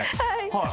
はい。